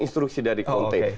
instruksi dari kante